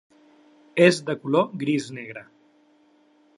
És de color gris-negre.